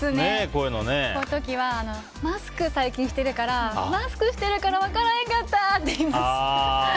こういう時はマスクを最近してるからマスクしてるから分からへんかった！って言います。